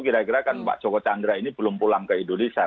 kira kira kan pak joko chandra ini belum pulang ke indonesia